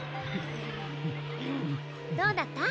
どうだった？